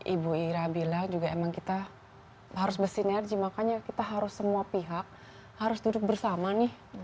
ibu ira bilang juga emang kita harus bersinergi makanya kita harus semua pihak harus duduk bersama nih